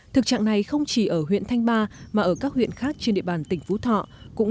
thực trạng này không chỉ ở huyện thanh ba mà ở các huyện khác trên địa bàn tỉnh phú thọ cũng